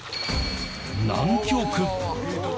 南極。